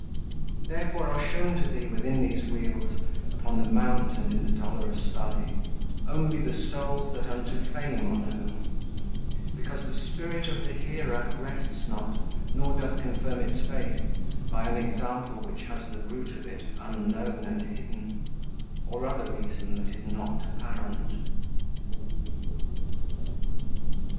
Therefore are shown to thee within these wheels, Upon the mount and in the dolorous valley, Only the souls that unto fame are known; Because the spirit of the hearer rests not, Nor doth confirm its faith by an example Which has the root of it unknown and hidden, Or other reason that is not apparent."